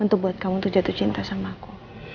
untuk buat kamu untuk jatuh cinta sama aku